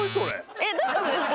えっどういう事ですか？